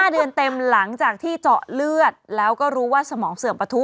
๕เดือนเต็มหลังจากที่เจาะเลือดแล้วก็รู้ว่าสมองเสื่อมประทุ